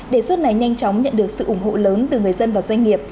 đề xuất này nhanh chóng nhận được sự ủng hộ lớn từ người dân và doanh nghiệp